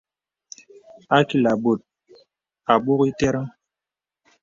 Ākilā bòt ābok itə̀rən.